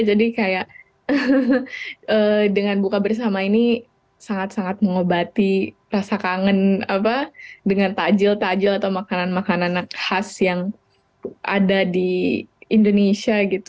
jadi kayak dengan buka bersama ini sangat sangat mengobati rasa kangen apa dengan tajil tajil atau makanan makanan khas yang ada di indonesia gitu ya